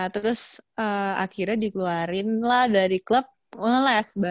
terus akhirnya dikeluarin lah dari klub loles